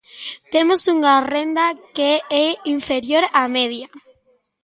Temos unha renda que é inferior á media.